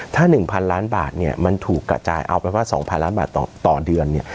ถ้า๑๐๐ล้านบาทเนี่ยมันถูกกระจายเอาไปว่า๒๐๐ล้านบาทต่อเดือนเนี่ย